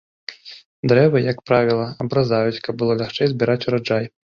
Дрэвы, як правіла, абразаюць, каб было лягчэй збіраць ураджай.